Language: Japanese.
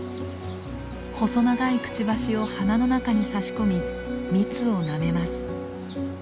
細長いくちばしを花の中に差し込み蜜をなめます。